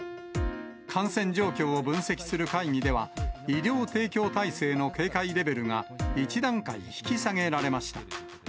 感染状況を分析する会議では、医療提供体制の警戒レベルが１段階引き下げられました。